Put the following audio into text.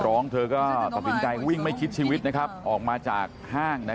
ออกไปออกไปออกไป